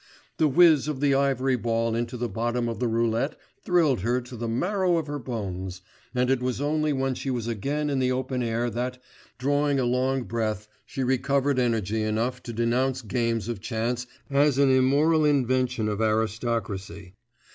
The whiz of the ivory ball into the bottom of the roulette thrilled her to the marrow of her bones, and it was only when she was again in the open air that, drawing a long breath, she recovered energy enough to denounce games of chance as an immoral invention of aristocracy.